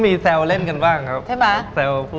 มีแซวเล่นกันบ้างครับ